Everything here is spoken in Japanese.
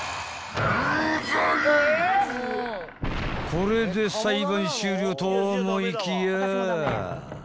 ［これで裁判終了と思いきや］